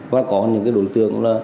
và có những cái đối tượng